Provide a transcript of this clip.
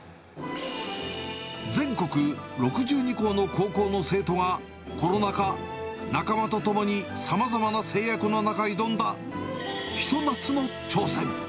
全国６２校の高校の生徒がコロナ禍、仲間と共にさまざまな制約の中、挑んだひと夏の挑戦。